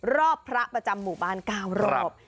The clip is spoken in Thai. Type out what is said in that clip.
พระประจำหมู่บ้าน๙รอบ